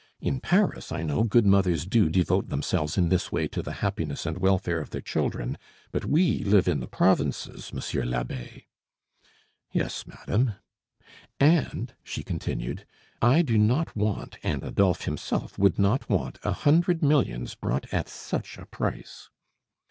In Paris, I know, good mothers do devote themselves in this way to the happiness and welfare of their children; but we live in the provinces, monsieur l'abbe." "Yes, madame." "And," she continued, "I do not want, and Adolphe himself would not want, a hundred millions brought at such a price."